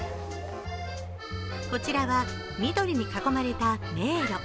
こちらは緑に囲まれた迷路。